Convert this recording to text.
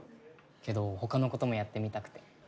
けど他の事もやってみたくて。